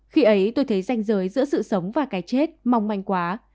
khi ấy tôi thấy danh giới giữa sự sống và cái chết mong manh quá